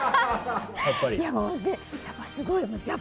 やっぱりすごい。